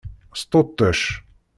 Sṭuṭec.